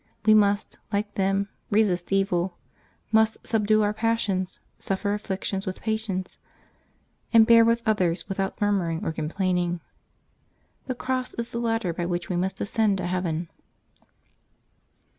We must, like them, resist evil, must subdue our passions, suffer afflictions with patience, and bear with others with out murmuring or complaining. The cross is the ladder by which we must ascend to heaven.